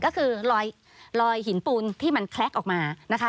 ก็คือลอยหินปูนที่มันแคล็กออกมานะคะ